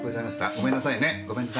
ごめんなさい。